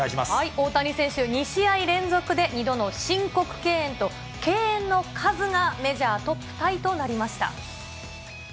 大谷選手、２試合連続で２度の申告敬遠と、敬遠の数がメジャートップタイとなりました。